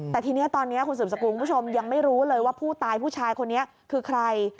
แต่ทีนี้ตอนนี้คุณสืบสกุลคุณผู้ชมยังไม่รู้เลยว่าผู้ตายผู้ชายคนนี้คือใคร